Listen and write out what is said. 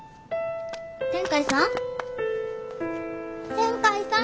天海さん？